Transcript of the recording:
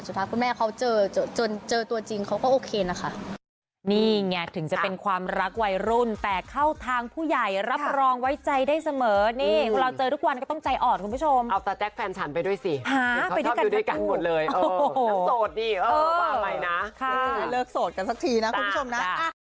สำหรับคุณแม่เขาเจอตัวจริงเขาก็โอเคนะคะ